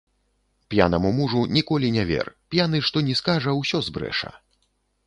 П'янаму мужу ніколі не вер, п'яны што ні скажа, усё збрэша.